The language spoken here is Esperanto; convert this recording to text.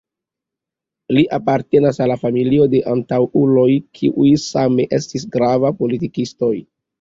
Li apartenas al familio de antaŭuloj kiuj same estis gravaj politikistoj.